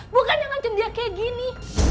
bukan yang ngancurin dia kayak gini